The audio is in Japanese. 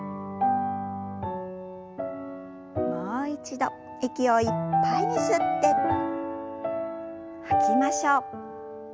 もう一度息をいっぱいに吸って吐きましょう。